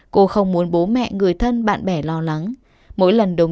cô không muốn bố mẹ người thân bạn bè lo lắng